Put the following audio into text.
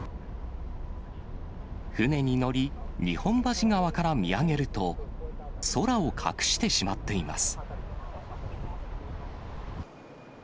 船に乗り、日本橋川から見上げると、空を隠してしまっています。